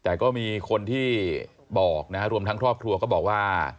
แต่ก็มีคนที่บอกนะฮะรวมทั้งครอบครัวก็บอกว่า